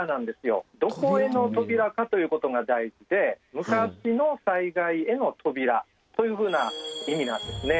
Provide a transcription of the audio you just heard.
どこへの扉かということが大事で昔の災害への扉というふうな意味なんですね。